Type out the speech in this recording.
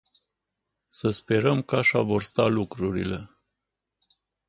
Să sperăm că așa vor sta lucrurile.